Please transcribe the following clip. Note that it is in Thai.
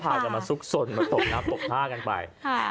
กันมาซุกสนมาตกน้ำตกท่ากันไป